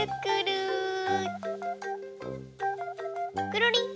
くるりん。